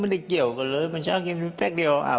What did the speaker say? มันไม่เกี่ยวกับเหล้ามันชอบกินเหล้า